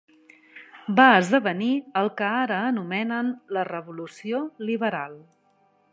Va esdevenir el que ara anomenen la revolució liberal.